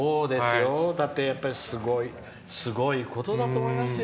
だってすごいことだと思いますよ。